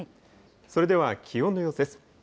それでは気温の様子です。